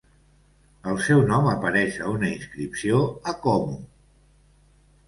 El seu nom apareix a una inscripció a Como.